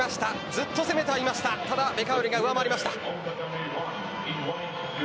ずっと攻めていましたがベカウリが上回りました。